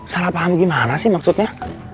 salah paham gimana sih maksudnya